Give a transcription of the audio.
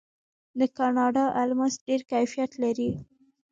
د کاناډا الماس ډیر کیفیت لري.